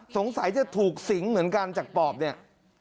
สงสัยจะถูกสิงเหมือนกันจากปอบเนี่ย